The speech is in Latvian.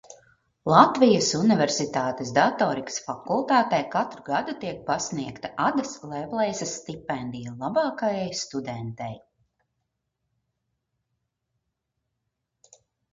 Latvijas Universitātes Datorikas fakultātē katru gadu tiek pasniegta Adas Lavleisas stipendija labākajai studentei.